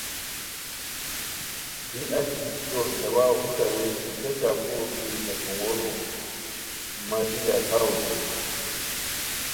بی اچی گیکو ہے واؤ ہݰ اریر کی کیہ چاقوؤ کی ہے کومورو ماژی لکھاؤ اوشوئے